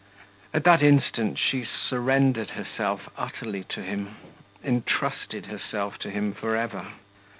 At that instant she surrendered herself utterly to him, intrusted herself to him for ever.